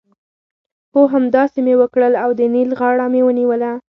هو! همداسې مې وکړل او د نېل غاړه مې ونیوله.